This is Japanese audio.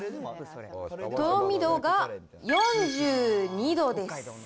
とろみ度が４２度です。